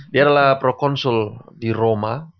dia adalah prokonsul di roma